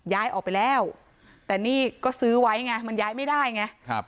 ย้ายออกไปแล้วแต่นี่ก็ซื้อไว้ไงมันย้ายไม่ได้ไงครับ